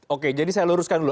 oke jadi saya luruskan dulu